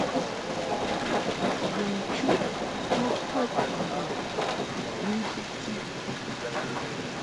Yɔ nchuʼ bo kwɛd i yɔ ni ŋkɨbti.